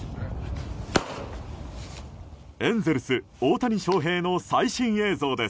エンゼルス、大谷翔平の最新映像です。